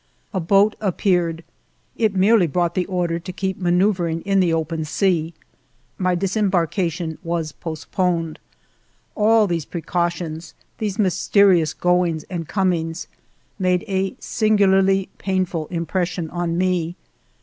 A boat appeared ; it merely brought the order to keep manoeuvring in the open sea. My disembark ation was postponed. All these precautions, these mysterious goings and comings, made a sin gularly painful impression on me.